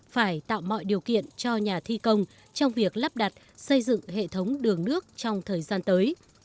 phải tạo mọi điều kiện cho nhà thi công trong việc lắp đặt xây dựng hệ thống đường nước trong thời gian tới